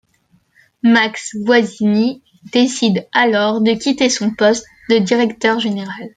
Max Guazzini décide alors de quitter son poste de directeur général.